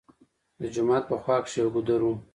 د جومات په خوا کښې يو ګودر وو